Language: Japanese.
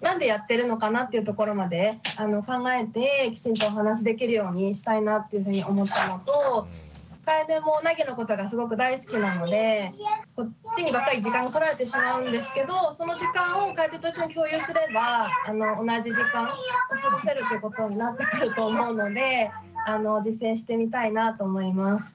なんでやってるのかなっていうところまで考えてきちんとお話しできるようにしたいなっていうふうに思ったのとかえでもなぎのことがすごく大好きなのでこっちにばっかり時間が取られてしまうんですけどその時間をかえでと一緒に共有すれば同じ時間過ごせるということになってくると思うので実践してみたいなと思います。